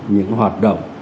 những hoạt động